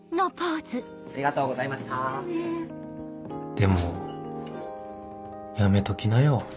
でもやめときなよ